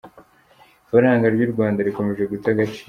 – Ifaranga ry’uRwanda rikomeje guta agaciro,